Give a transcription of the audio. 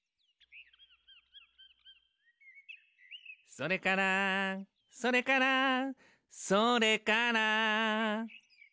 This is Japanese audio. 「それからそれからそれから」